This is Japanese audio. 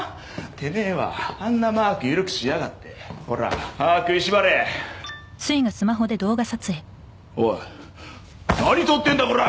てめえはあんなマーク緩くしやがっほら歯食いしばれおい何撮ってんだコラ！